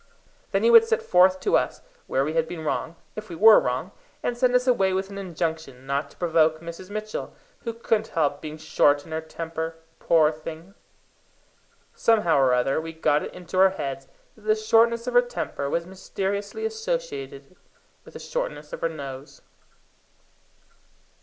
Then he would set forth to us where we had been wrong, if we were wrong, and send us away with an injunction not to provoke Mrs. Mitchell, who couldn't help being short in her temper, poor thing! Somehow or other we got it into our heads that the shortness of her temper was mysteriously associated with the shortness of her nose.